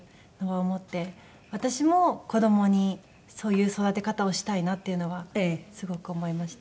私も子どもにそういう育て方をしたいなっていうのはすごく思いました。